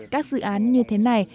các dự án như thế này